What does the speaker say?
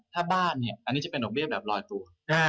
ถ้าบ้านเนี่ยอันนี้จะเป็นดอกเบี้แบบลอยตัว